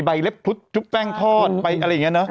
ใบเล็บทุดชุบแป้งทอดอะไรอย่างนี้